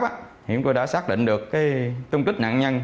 thì chúng tôi đã xác định được cái tung tích nạn nhân